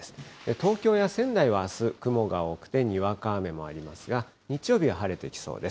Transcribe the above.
東京や仙台はあす、雲が多くてにわか雨もありますが、日曜日は晴れてきそうです。